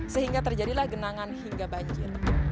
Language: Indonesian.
sehingga terjadilah genangan hingga banjir